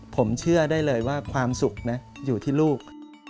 ผมเชื่อได้เลยว่าความสุขนะอยู่ที่ลูก